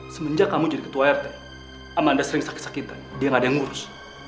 semenjak kamu jadi ketua rt amanda sering sakit sakitan dia gak ada yang ngurus